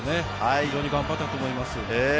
非常に頑張ったと思います。